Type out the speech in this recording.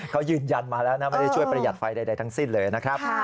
เขายืนยันมาแล้วนะไม่ได้ช่วยประหยัดไฟใดทั้งสิ้นเลยนะครับ